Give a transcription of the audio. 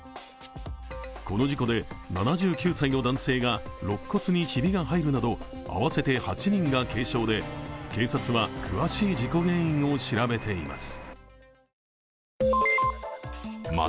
この事故で７９歳の男性がろっ骨にひびが入るなど、合わせて８人が軽傷で、警察は詳しい事故原因を調べています。